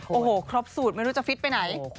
โอ้โหครบสูตรไม่รู้จะฟิตไปไหน